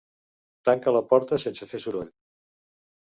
Tanca la porta sense fer soroll